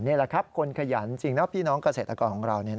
นี่แหละครับคนขยันจริงนะพี่น้องเกษตรกรของเรา